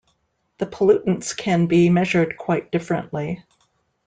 The pollutants can be measured quite differently.